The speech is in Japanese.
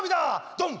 ドン！